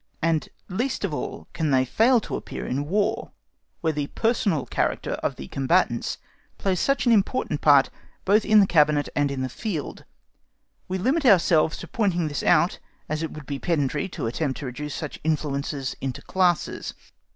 And least of all can they fail to appear in War, where the personal character of the combatants plays such an important part, both in the cabinet and in the field. We limit ourselves to pointing this out, as it would be pedantry to attempt to reduce such influences into classes.